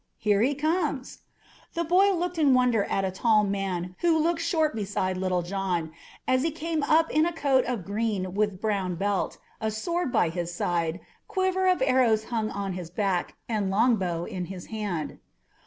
Here he comes." The boy looked in wonder at a tall man who looked short beside Little John, as he came up in coat of green with brown belt, a sword by his side, quiver of arrows hung on his back, and longbow in his hand.